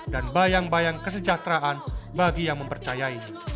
dan bayang bayang kesejahteraan bagi yang mempercayai